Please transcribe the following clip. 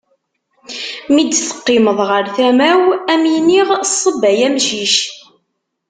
Mi d-teqqimeḍ ɣer tama-w, ad am-iniɣ ṣebb ay amcic.